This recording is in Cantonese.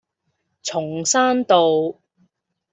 松山道